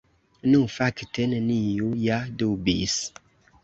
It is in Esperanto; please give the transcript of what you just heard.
Nu, fakte, neniu ja dubis.